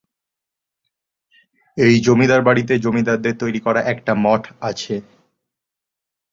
এই জমিদার বাড়িতে জমিদারদের তৈরি করা একটা মঠ আছে।